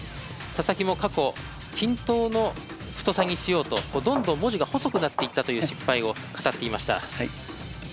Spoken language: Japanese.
佐々木も過去均等の太さにしようとどんどん文字が細くなっていったという失敗を語っていました。